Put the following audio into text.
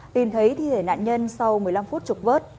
tìm thấy thi thể nạn nhân sau một mươi năm phút trục vớt